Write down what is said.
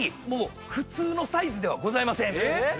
もう普通のサイズではございません。